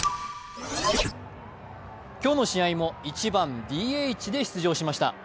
今日の試合も１番・ＤＨで出場しました。